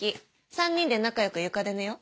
３人で仲良く床で寝よう。